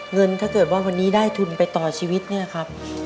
เงินถ้าเกิดว่าวันนี้ได้ทุนไปต่อชีวิตเนี่ยครับ